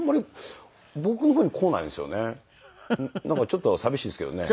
ちょっと寂しいですけどね。